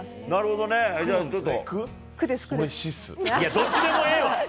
どっちでもええわ！